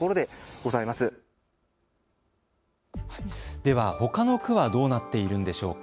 では、ほかの区はどうなっているんでしょうか。